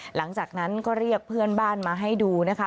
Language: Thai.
หลังจากนั้นก็เรียกเพื่อนบ้านมาให้ดูนะคะ